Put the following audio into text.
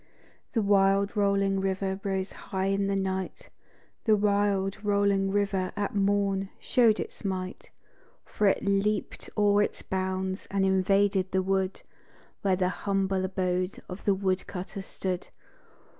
The wide rolling river rose high in the night, The wide rolling river, at morn, show'd its might, For it leaped o'er its bounds, and invaded the wood Where the humble abode of the wood cutter stood.